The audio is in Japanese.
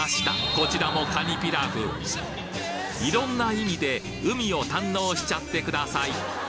こちらもカニピラフいろんな意味で海を堪能しちゃってください